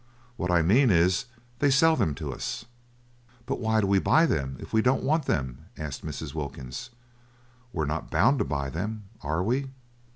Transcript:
What I mean is they sell them to us." "But why do we buy them if we don't want them?" asked Mrs. Wilkins; "we're not bound to buy them, are we?"